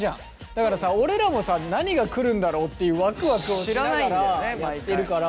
だからさ俺らもさ何がくるんだろうっていうわくわくをしながらやってるから。